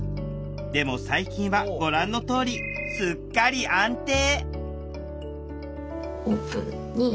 でも最近はご覧のとおりすっかり安定！